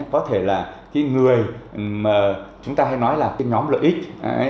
có thể là cái người mà chúng ta hay nói là cái nhóm lợi ích